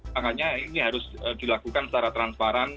makanya ini harus dilakukan secara transparan